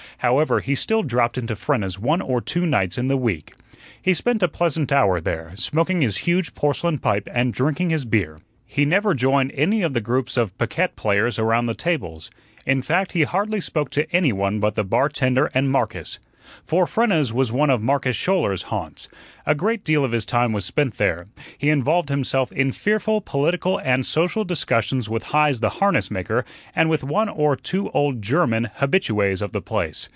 However, he still dropped into Frenna's one or two nights in the week. He spent a pleasant hour there, smoking his huge porcelain pipe and drinking his beer. He never joined any of the groups of piquet players around the tables. In fact, he hardly spoke to anyone but the bartender and Marcus. For Frenna's was one of Marcus Schouler's haunts; a great deal of his time was spent there. He involved himself in fearful political and social discussions with Heise the harness maker, and with one or two old German, habitues of the place.